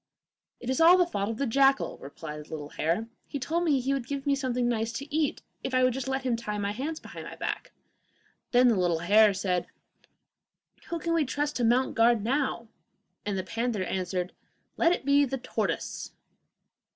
'It is all the fault of the jackal,' replied the little hare. 'He told me he would give me something nice to eat if I would just let him tie my hands behind my back.' Then the animals said, 'Who can we trust to mount guard now?' And the panther answered, 'Let it be the tortoise.